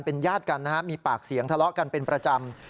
เป็นญาติกันนะฮะมีปากเสียงทะเลาะกันเป็นประจำ